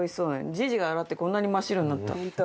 じいじが洗ってこんなに真っ白になった。